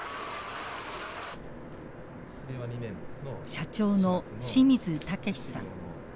社長の清水建志さん。